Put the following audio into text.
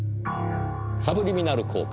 サブリミナル効果。